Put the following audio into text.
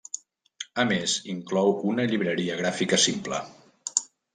A més, inclou una llibreria gràfica simple.